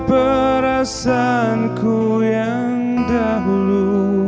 merasaanku yang dahulu